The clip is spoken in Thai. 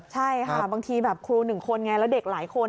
ใช่ค่ะบางทีครูหนึ่งคนแล้วเด็กหลายคน